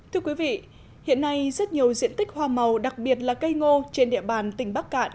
thưa quý vị hiện nay rất nhiều diện tích hoa màu đặc biệt là cây ngô trên địa bàn tỉnh bắc cạn